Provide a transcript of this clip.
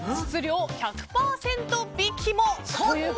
室料１００％引きも。